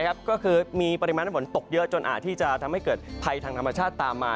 ก็คือมีปริมาณฝนตกเยอะจนอาจที่จะทำให้เกิดภัยทางธรรมชาติตามมา